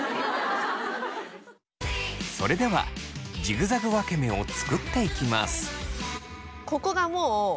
それではジグザグ分け目を作っていきます。